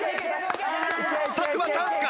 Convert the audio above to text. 作間チャンスか？